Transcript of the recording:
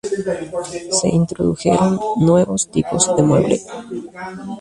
Se introdujeron nuevos tipos de muebles.